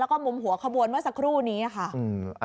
แล้วก็มุมหัวขบวนเมื่อสักครู่นี้ค่ะ